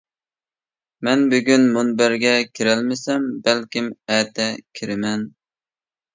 مەن بۈگۈن مۇنبەرگە كىرەلمىسەم، بەلكىم ئەتە كىرىمەن.